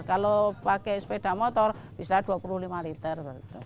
kalau pakai sepeda motor bisa dua puluh lima liter